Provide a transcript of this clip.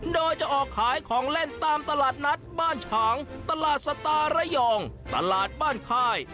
โดยจะออกขายของเล่นตามตลาดนัดบ้านฉางตลาดสตาร์ระยองตลาดบ้านค่าย